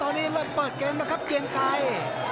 ตอนนี้เริ่มเปิดเกมแล้วครับเกียงไกร